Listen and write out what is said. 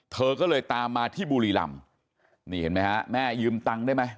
เธอก็เลยตามมาที่บุรีรำนี่เห็นไหมฮะแม่ยืมตังค์ได้ไหม